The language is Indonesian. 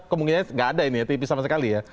kemungkinan nggak ada ini ya tv sama sekali ya